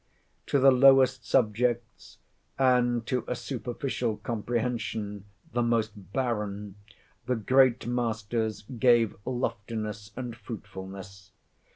To the lowest subjects, and, to a superficial comprehension, the most barren, the Great Masters gave loftiness and fruitfulness.